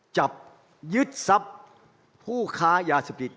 จับยึดทรัพย์ผู้ค้ายาเสพติด